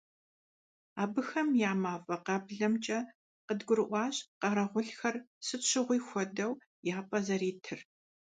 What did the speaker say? Абыхэм я мафӀэ къаблэмкӀэ къыдгурыӀуащ къэрэгъулхэр, сыт щыгъуи хуэдэу, я пӀэ зэритыр.